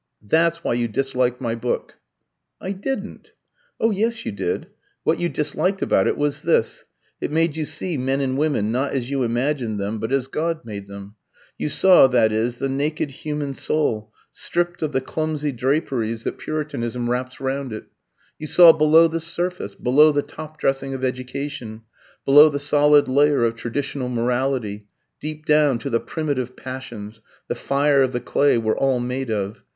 That's why you disliked my book." "I didn't." "Oh, yes, you did. What you disliked about it was this. It made you see men and women, not as you imagined them, but as God made them. You saw, that is, the naked human soul, stripped of the clumsy draperies that Puritanism wraps round it. You saw below the surface below the top dressing of education, below the solid layer of traditional morality deep down to the primitive passions, the fire of the clay we're all made of.